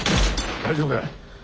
大丈夫よ。